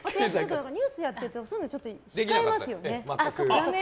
ニュースやってるとそういうの控えますよね。